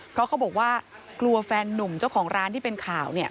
เพราะเขาบอกว่ากลัวแฟนนุ่มเจ้าของร้านที่เป็นข่าวเนี่ย